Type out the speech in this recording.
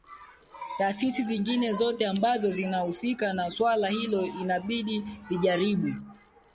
tasisi zingine zote ambazo zinahusika na swala hilo inabidi zijaribu